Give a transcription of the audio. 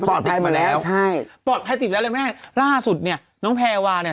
หมดแล้วใช่ปลอดภัยติดแล้วเลยแม่ล่าสุดเนี่ยน้องแพรวาเนี่ย